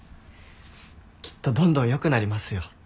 きっとどんどん良くなりますよ。